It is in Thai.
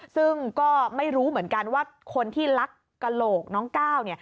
ซึ่งก็ไม่รู้เหมือนกันว่าคนที่ลักกระโหลกน้องก้าว